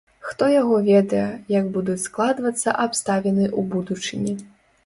Хто яго ведае, як будуць складвацца абставіны ў будучыні.